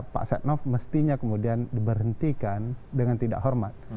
pak setnov mestinya kemudian diberhentikan dengan tidak hormat